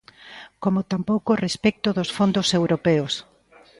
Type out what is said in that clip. Como tampouco respecto dos fondos europeos.